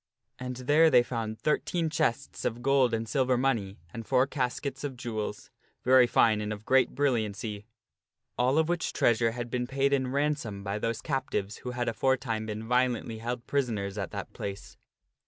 And there they found thirteen chests of gold and silver money and four caskets of jewels very fine and of great brilliancy all of which treasure had been paid in ransom by those captives who had aforetime been violently held prisoners at that place.